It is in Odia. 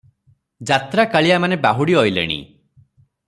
ଯାତ୍ରାକାଳିଆମାନେ ବାହୁଡ଼ି ଅଇଲେଣି ।